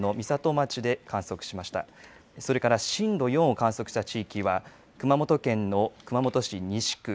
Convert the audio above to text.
それから震度４を観測した地域は熊本県の熊本市西区。